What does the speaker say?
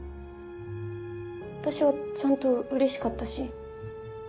私はちゃんとうれしかったし。